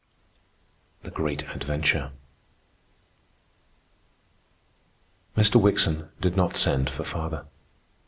THE GREAT ADVENTURE Mr. Wickson did not send for father.